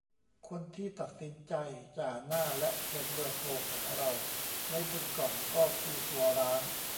คนที่ตัดสินใจจ่าหน้าและเขียนเบอร์โทรของเราไว้บนกล่องก็คือตัวร้าน